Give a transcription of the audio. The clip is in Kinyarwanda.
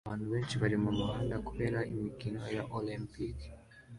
Abantu benshi bari mumuhanda kubera imikino olempike